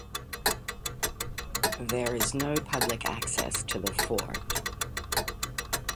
There is no public access to the fort.